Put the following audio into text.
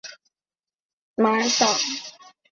马尔萨。